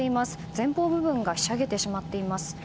前方部分がひしゃげてしまっています。